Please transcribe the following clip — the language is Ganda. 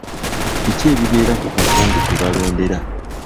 Biki ebibeera ku kakonge kwe balondera?